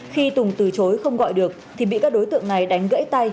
khi tùng từ chối không gọi được thì bị các đối tượng này đánh gãy tay